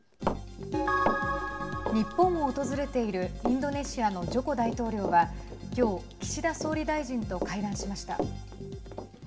日本を訪れているインドネシアのジョコ大統領はきょう岸田総理大臣と会談しました。